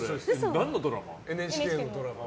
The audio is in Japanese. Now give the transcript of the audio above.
何のドラマ？